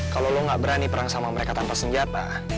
kalau lo gak berani perang sama mereka tanpa senjata